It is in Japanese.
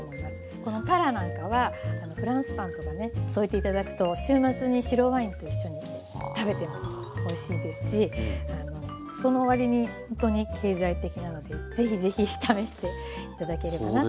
このたらなんかはフランスパンとかね添えて頂くと週末に白ワインと一緒に食べてもおいしいですしその割にほんとに経済的なので是非是非試して頂ければなと思います。